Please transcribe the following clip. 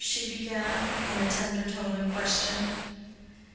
she began, in a tender tone of question.